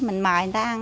mình mời người ta ăn